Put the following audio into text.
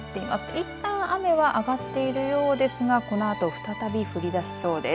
いったん雨は上がっているようですがこのあと再び降りだしそうです。